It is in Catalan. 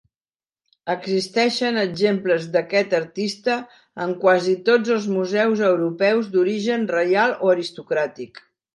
Existeixen exemples d'aquest artista en quasi tots els museus europeus d'origen reial o aristocràtic.